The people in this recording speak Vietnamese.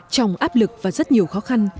trong áp lực và rất nhiều khó khăn